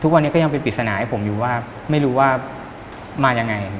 ทุกวันนี้ก็ยังเป็นผิดสนาให้ผมอยู่ว่าไม่รู้ว่ามายังไง